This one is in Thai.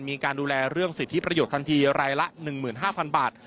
มีการดูแลเรื่องสิทธิประโยชนทันทีรายละ๑๕๐๐๐บาท